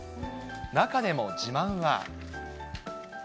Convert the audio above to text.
中でも自慢は。